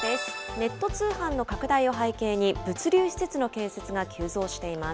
ネット通販の拡大を背景に、物流施設の建設が急増しています。